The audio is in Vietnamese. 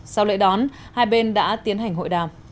sau lễ đón hai bên đã tiến hành hội đàm